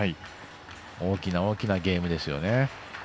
大きな大きなゲームですよね。